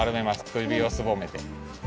くびをすぼめて。